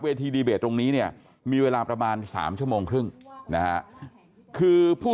ทีดีเบตตรงนี้เนี่ยมีเวลาประมาณ๓ชั่วโมงครึ่งนะฮะคือผู้